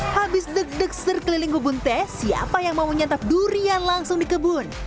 habis deg deg serkeliling kebun teh siapa yang mau nyantap durian langsung di kebun